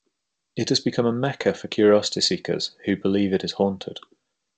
It has become a mecca for curiosity seekers who believe it is haunted.